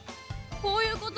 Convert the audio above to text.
こういうこと？